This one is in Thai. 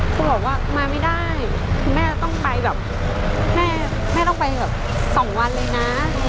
เขาบอกว่ามาไม่ได้แม่ต้องไปแบบ๒วันเลยนะ